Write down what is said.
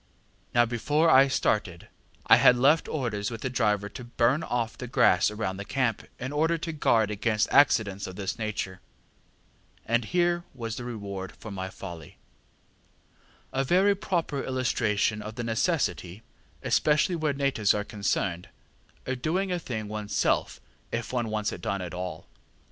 ŌĆ£Now before I started, I had left orders with the driver to burn off the grass round the camp, in order to guard against accidents of this nature, and here was the reward of my folly: a very proper illustration of the necessity, especially where natives are concerned, of doing a thing oneŌĆÖs self if one wants it done at all.